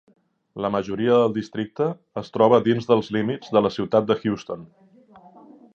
La majoria del districte es troba dins dels límits de la ciutat de Houston.